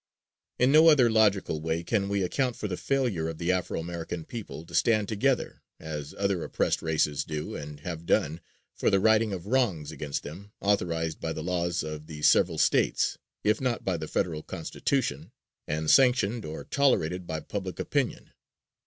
In no other logical way can we account for the failure of the Afro American people to stand together, as other oppressed races do, and have done, for the righting of wrongs against them authorized by the laws of the several states, if not by the Federal Constitution, and sanctioned or tolerated by public opinion.